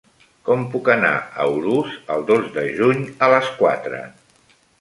Com puc anar a Urús el dos de juny a les quatre?